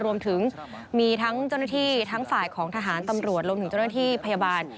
รวมถึงมีทั้งเจ้าหน้าที่ทั้งฝ่ายของทหารตำรวจรวมถึงเจ้าหน้าที่พยาบาล